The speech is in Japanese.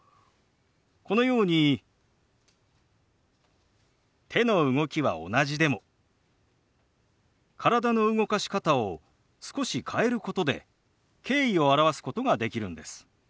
このように手の動きは同じでも体の動かし方を少し変えることで敬意を表すことができるんです。